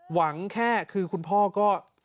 แค่คือคุณพ่อก็